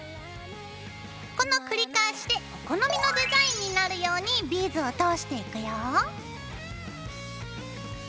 この繰り返しでお好みのデザインになるようにビーズを通していくよ。